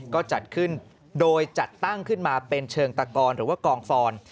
ก็จัดขึ้นโดยจัดตั้งขึ้นมาเป็นเชิงตะกอนหรือว่ากองฟอน